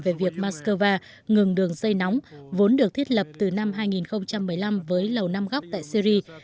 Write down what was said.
về việc moscow ngừng đường dây nóng vốn được thiết lập từ năm hai nghìn một mươi năm với lầu năm góc tại syri